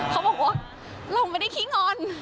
เขาบอกว่าเราไม่ได้ขี้งอน